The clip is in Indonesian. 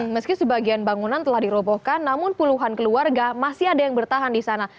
meski sebagian bangunan telah dirobohkan namun puluhan keluarga masih ada yang bertahan di sana